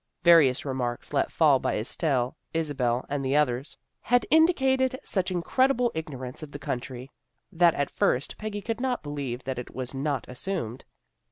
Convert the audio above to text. Various remarks let fall by Estelle, Isabel and the others, had indicated such incredible ignorance of the country, that at first Peggy could not believe that it was not assumed.